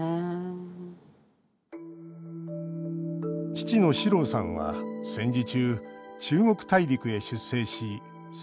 父の四郎さんは、戦時中中国大陸へ出征し、戦闘に参加。